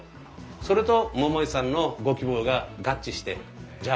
それと桃井さんのご希望が合致してじゃあ